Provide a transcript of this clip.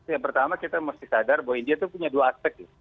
yang pertama kita mesti sadar bahwa india itu punya dua aspek